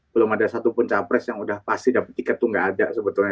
belum ada satupun capres yang udah pasti dapat tiket tuh gak ada sebetulnya